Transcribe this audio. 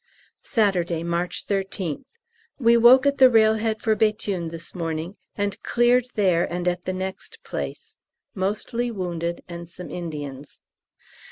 Saturday, March 13th. We woke at the railhead for Béthune this morning, and cleared there and at the next place, mostly wounded and some Indians.